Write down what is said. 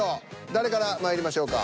誰からまいりましょうか？